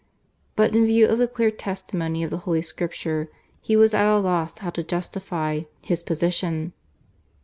But in view of the clear testimony of the Holy Scripture he was at a loss how to justify his position.